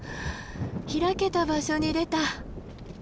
開けた場所に出た。